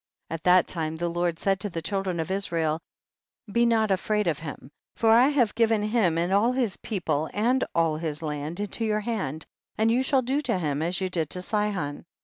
26. At that time the Lord said to the children of Israel, be not afraid of him, for I have given him and all his people and all his land into your hand, and you shall do to him as you did to Sihon.